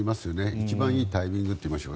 一番いいタイミングというか。